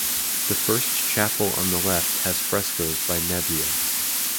The first chapel on the left has frescoes by Nebbia.